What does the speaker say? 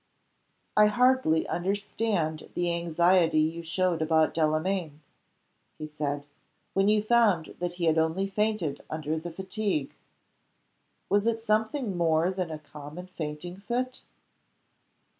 "I hardly understand the anxiety you showed about Delamayn," he said, "when you found that he had only fainted under the fatigue. Was it something more than a common fainting fit?"